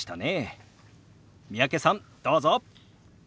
三宅さんどうぞ！